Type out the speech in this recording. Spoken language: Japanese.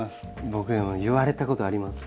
僕でも言われたことあります。